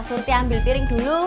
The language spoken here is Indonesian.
surti ambil piring dulu